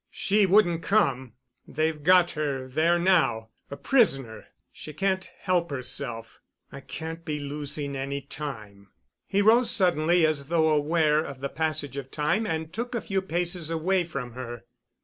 She wouldn't come. They've got her there now—a prisoner. She can't help herself. I can't be losing any time." He rose suddenly as though aware of the passage of time and took a few paces away from her.